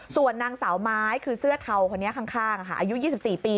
ส่วนนางสาวไม้คือเสื้อเทาคนนี้ข้างอายุ๒๔ปี